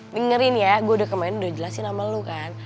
dengerin ya gue udah kemarin udah jelasin sama lo kan